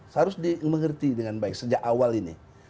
harus di mengerti dengan baik sejak awal ini